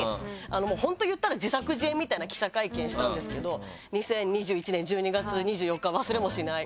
本当いったら自作自演みたいな記者会見したんですけど２０２１年１２月２４日忘れもしない。